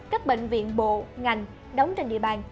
các bệnh viện bộ ngành đóng trên địa bàn